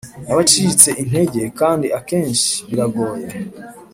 ntibacitse intege kandi akenshi biragoye